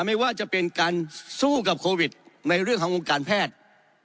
ไม่ว่าจะเป็นการสู้กับโควิดในเรื่องของวงการแพทย์